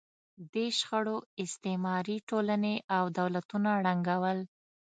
دې شخړو استعماري ټولنې او دولتونه ړنګول.